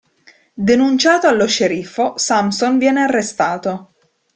Denunciato allo sceriffo, Sampson viene arrestato.